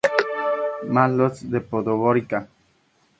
Mladost de Podgorica.